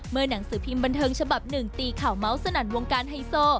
หนังสือพิมพ์บันเทิงฉบับหนึ่งตีข่าวเมาส์สนั่นวงการไฮโซ